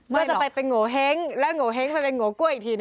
เพื่อจะไปเป็นโงเห้งแล้วโงเห้งไปเป็นโงกล้วยอีกที